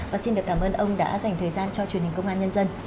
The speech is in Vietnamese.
và xin được cảm ơn ông đã dành thời gian cho truyền hình công an nhân dân